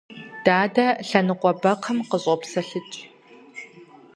Дадэ лъэныкъуэ бэкхъым къыщӀопсэлъыкӀ.